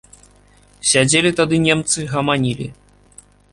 Сядзелі тады немцы, гаманілі.